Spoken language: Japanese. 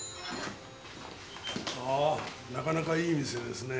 あーなかなかいい店ですね。